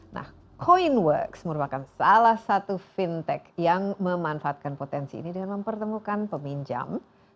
nah coinworks merupakan salah satu fintech yang memanfaatkan potensi ini dengan mempertemukan peminjam